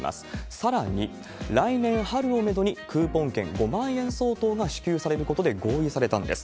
さらに来年春をメドに、クーポン券５万円相当が支給されることで合意されたんです。